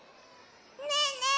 ねえねえ